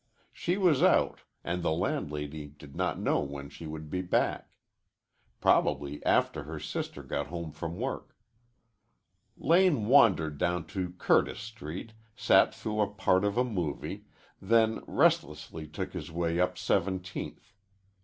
She was out, and the landlady did not know when she would be back. Probably after her sister got home from work. Lane wandered down to Curtis Street, sat through a part of a movie, then restlessly took his way up Seventeenth.